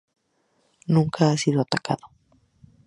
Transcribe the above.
Nunca ha sido atacado.